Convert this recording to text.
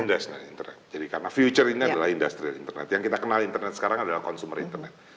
industri internet jadi karena future ini adalah industri internet yang kita kenal internet sekarang adalah consumer internet